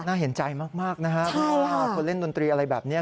น่าเห็นใจมากนะครับเพราะว่าคนเล่นดนตรีอะไรแบบนี้